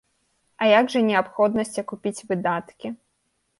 А як жа неабходнасць акупіць выдаткі?